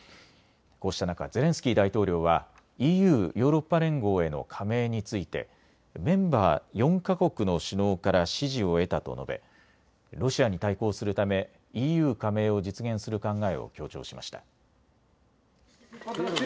こうした中、ゼレンスキー大統領はＥＵ・ヨーロッパ連合への加盟についてメンバー４か国の首脳から支持を得たと述べロシアに対抗するためＥＵ加盟を実現する考えを強調しました。